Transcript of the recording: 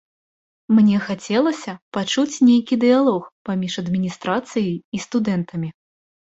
Мне хацелася пачуць нейкі дыялог паміж адміністрацыяй і студэнтамі.